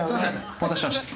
お待たせしました。